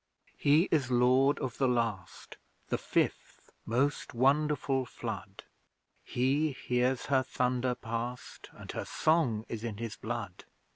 He is Lord of the Last The Fifth, most wonderful, Flood. He hears Her thunder past And Her song is in his blood.